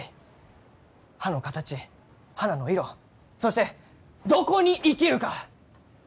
葉の形花の色そしてどこに生きるか！